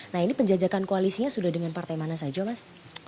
nah ini penjajakan koalisinya sudah dengan partai mana saja mas